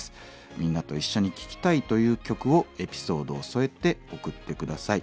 みんなと一緒に聴きたいという曲をエピソードを添えて送って下さい。